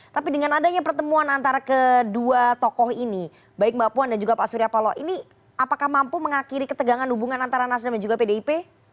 tapi dengan adanya pertemuan antara kedua tokoh ini baik mbak puan dan juga pak surya paloh ini apakah mampu mengakhiri ketegangan hubungan antara nasdem dan juga pdip